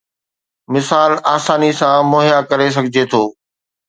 مثال آساني سان مهيا ڪري سگهجي ٿو